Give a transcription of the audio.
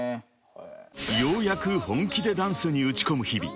［ようやく本気でダンスに打ち込む日々］